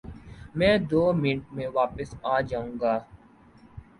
میں دو منٹ میں واپس آ جاؤں گا